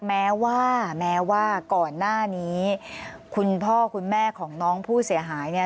แม้ว่าแม้ว่าก่อนหน้านี้คุณพ่อคุณแม่ของน้องผู้เสียหายเนี่ย